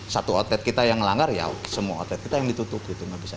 satu outlet kita yang melanggar ya semua outlet kita yang ditutup gitu nggak bisa